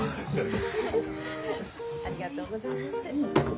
ありがとうございます。